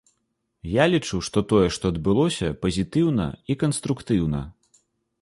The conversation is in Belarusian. Я лічу, што тое, што адбылося, пазітыўна і канструктыўна.